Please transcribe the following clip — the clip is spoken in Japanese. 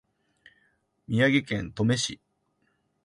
宮城県登米市